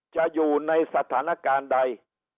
จะอยู่ในสถานการณ์ใด